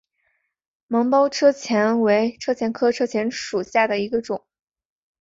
芒苞车前为车前科车前属下的一个种。